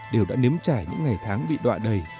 đều đã nếm trải những ngày tháng bị đoạ đầy